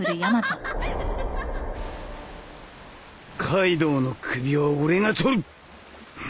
カイドウの首は俺が取る！